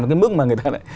một cái mức mà người ta